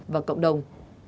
và cộng đồng